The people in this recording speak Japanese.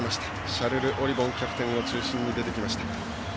シャルル・オリボンキャプテンを中心に出てきました。